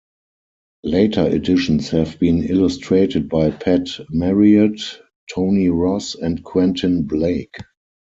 Later editions have been illustrated by Pat Marriott, Tony Ross, and Quentin Blake.